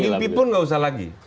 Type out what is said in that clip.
mimpi pun nggak usah lagi